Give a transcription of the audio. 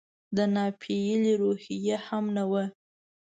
د ناپیېلې روحیه هم نه وه.